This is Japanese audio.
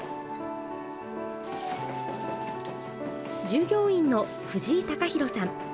従業員の藤井貴寛さん。